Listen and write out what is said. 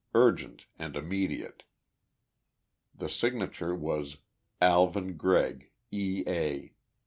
Urgent and immediate." The signature was "Alvin Gregg, E. A.